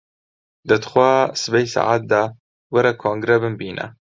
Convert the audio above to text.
دە توخوا سبەی سەعات دە، وەرە کۆنگرە بمبینە!